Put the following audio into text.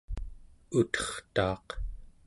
utertaaq